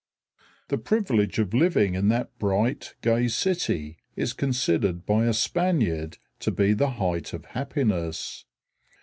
The privilege of living in that bright, gay city is considered by a Spaniard to be the height of happiness.